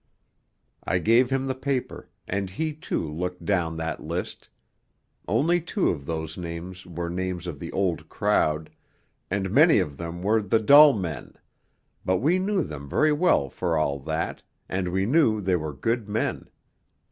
I gave him the paper, and he too looked down that list.... Only two of those names were names of the Old Crowd, and many of them were the dull men; but we knew them very well for all that, and we knew they were good men